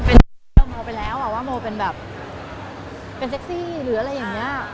มองไปแล้วว่าโมเป็นแบบเซ็กซี่หรืออะไรอย่างนี้